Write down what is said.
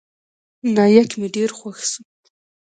نايک مې ډېر خوښ سو.